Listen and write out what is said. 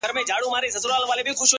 • چي د خلکو یې لوټ کړي وه مالونه,